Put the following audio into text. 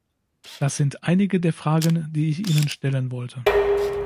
Das sind einige der Fragen, die ich Ihnen stellen wollte.